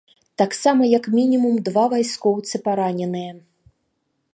Таксама як мінімум два вайскоўцы параненыя.